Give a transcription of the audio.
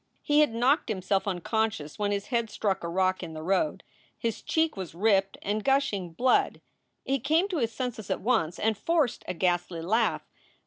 He had knocked himself unconscious when his head struck a rock in the road. His cheek was ripped and gushing blood. He came to his senses at once and forced a ghastly laugh.